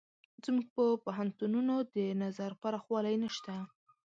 زموږ په پوهنتونونو د نظر پراخوالی نشته.